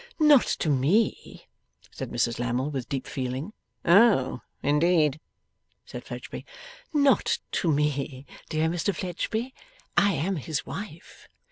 'Not to me,' said Mrs Lammle, with deep feeling. 'Oh, indeed?' said Fledgeby. 'Not to me, dear Mr Fledgeby. I am his wife.